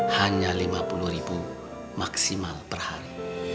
hanya rp lima puluh maksimal per hari